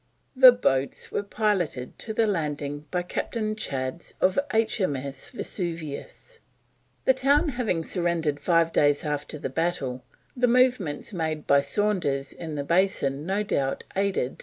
The boats were piloted to the landing by Captain Chads of H.M.S. Vesuvius. The town having surrendered five days after the battle, the movements made by Saunders in the Basin no doubt aiding M.